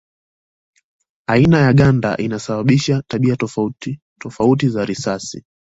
Aina ya ganda inasababisha tabia tofauti tofauti za risasi.